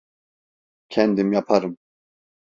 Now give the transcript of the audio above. Kendim yaparım.